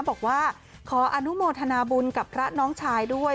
บอกว่าขออนุโมทนาบุญกับพระน้องชายด้วย